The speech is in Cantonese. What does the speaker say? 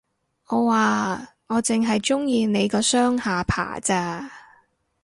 我話，我剩係鍾意你個雙下巴咋